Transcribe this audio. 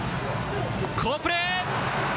好プレー。